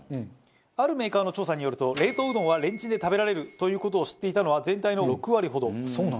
あるメーカーの調査によると冷凍うどんはレンチンで食べられるという事を知っていたのは全体の６割ほど。